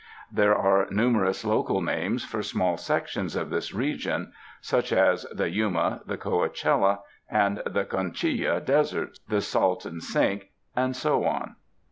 There are numerous local names for small sections of this region, such as the Yuma, the Coachella and the Conchilla Deserts, the Salton Sink, and so on.